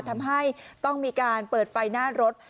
ทำให้ต้องมีการเปิดไฟหน้ารถ